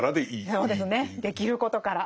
そうですねできることから。